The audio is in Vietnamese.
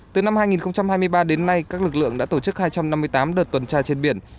từ năm hai nghìn hai mươi ba đến nay các lực lượng đã tổ chức hai trăm năm mươi tám đợt tuần tra trên biển